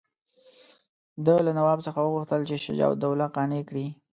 ده له نواب څخه وغوښتل چې شجاع الدوله قانع کړي.